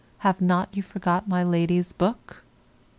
Have not you forgot my Lady's book?